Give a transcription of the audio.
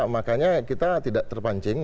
makanya kita tidak terpancing